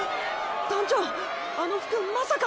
団長あの服まさか。